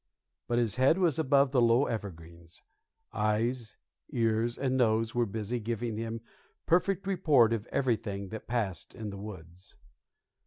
But his head was above the low evergreens; eyes, ears, and nose were busy giving him perfect report of everything that passed in the woods.